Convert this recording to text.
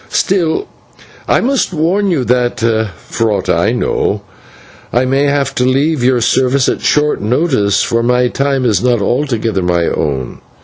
Still, I must warn you, for aught I know, I may have to leave your service at short notice, for my time is not altogether my own.